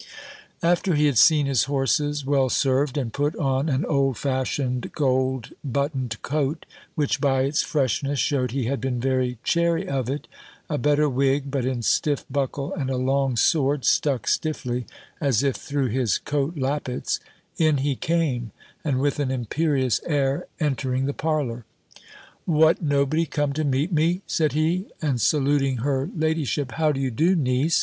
After he had seen his horses well served, and put on an old fashioned gold buttoned coat, which by its freshness shewed he had been very chary of it, a better wig, but in stiff buckle, and a long sword, stuck stiffly, as if through his coat lappets, in he came, and with an imperious air entering the parlour, "What, nobody come to meet me!" said he; and saluting her ladyship. "How do you do, niece?"